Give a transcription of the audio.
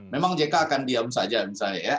memang j k akan diam saja misalnya ya